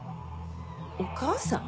お義母さん？